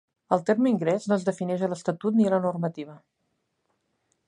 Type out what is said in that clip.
El terme "ingrés" no es defineix a l'estatut ni a la normativa.